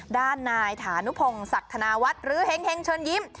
ด้านนายฐานุพงศักดิ์ธนาวัฒน์หรือเฮงเชิญยิ้ม